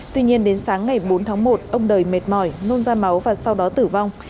tuy nhiên đến sáng ngày bốn tháng một ông đời mệt mỏi nôn ra máu và sau đó tử vong